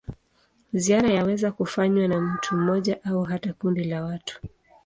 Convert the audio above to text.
Ziara yaweza kufanywa na mtu mmoja au hata kundi la watu.